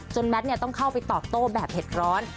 แมทต้องเข้าไปตอบโต้แบบเห็ดร้อน